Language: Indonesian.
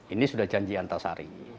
ini sudah janji antasari